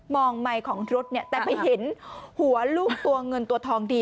มองใหม่ของรถแต่ไปเห็นหัวลูกตัวเงินตัวทองดี